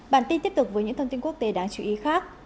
bản tin tiếp tục với những thông tin quốc tế đáng chú ý khác